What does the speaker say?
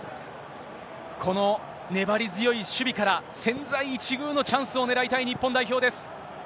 この粘り強い守備から、千載一遇のチャンスを狙いたい日本代表です。